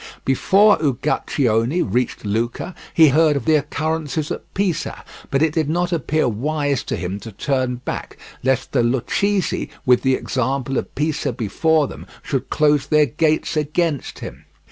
Before Uguccione reached Lucca he heard of the occurrences at Pisa, but it did not appear wise to him to turn back, lest the Lucchese with the example of Pisa before them should close their gates against him.